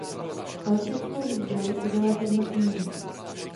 Elektrickou výzbroj dodala firma Siemens.